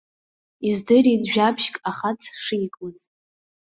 Издырит жәабжьк ахац шикуаз.